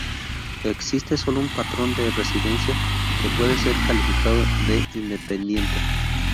Existe sólo un patrón de residencia que puede ser calificado de independiente.